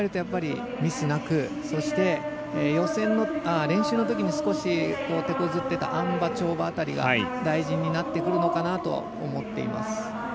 そして練習のときに少してこずっていたあん馬、跳馬辺りが大事になってくるのかなと思います。